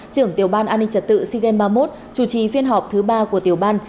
trưởng tiểu ban an ninh trật tự sea games ba mươi một chủ trì phiên họp thứ ba của tiểu ban